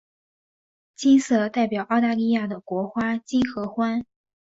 金色代表澳大利亚的国花金合欢。